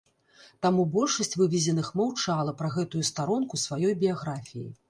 Таму большасць вывезеных маўчала пра гэтую старонку сваёй біяграфіі.